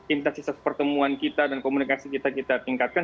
intensitas pertemuan kita dan komunikasi kita kita tingkatkan